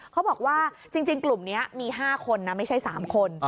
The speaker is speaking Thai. เขาบอกว่าจริงกลุ่มนี้มี๕คนนะไม่ใช่๓คน